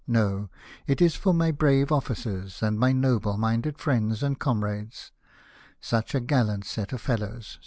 No ! it is for my brave officers for my noble minded friends and comrades. Such a gallant set of fellows